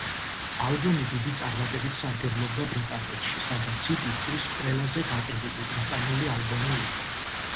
ალბომი დიდი წარმატებით სარგებლობდა ბრიტანეთში, სადაც იგი წლის ყველაზე გაყიდული ბრიტანული ალბომი იყო.